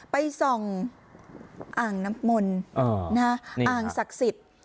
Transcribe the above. ไปส่องอ่างน้ำมนต์อ่างศักดิ์สิทธิ์